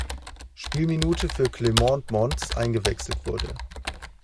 Spielminute für Clemente Montes eingewechselt wurde.